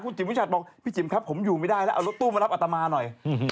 จิ๋มวิชัดบอกพี่จิ๋มครับผมอยู่ไม่ได้แล้วเอารถตู้มารับอัตมาหน่อย